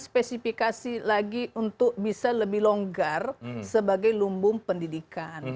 spesifikasi lagi untuk bisa lebih longgar sebagai lumbung pendidikan